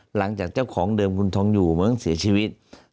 หลังจากเจ้าของเดิมคุณทองอยู่มั้งเสียชีวิต